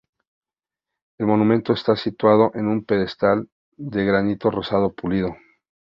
El monumento está situado en un pedestal de granito rosado pulido.